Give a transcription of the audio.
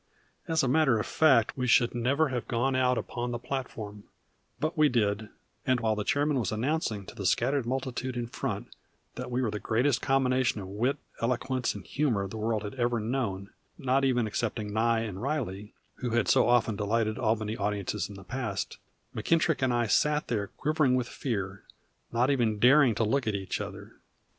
As a matter of fact we should never have gone out upon the platform; but we did, and while the chairman was announcing to the scattered multitude in front that we were the greatest combination of wit, eloquence, and humor the world had ever known, not even excepting Nye and Riley, who had so often delighted Albany audiences in the past, Munkittrick and I sat there quivering with fear, not even daring to look at each other.